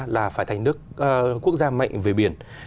là phải thành nước quốc gia mạnh về biển